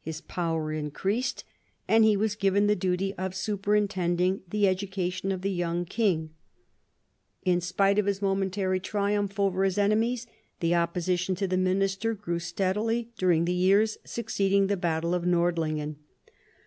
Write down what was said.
His power increased, and he was given the duty of super intending the education of the young king. In spite of 18 MAZARIN CHAP. his momentary triumph over his enemies, the opposition to the minister grew steadily during the years succeeding the battle of Nordlingen.